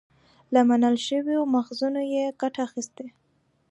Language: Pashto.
له منل شويو ماخذونو يې ګټه اخستې